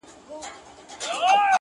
د غزلونو ربابونو مېنه؛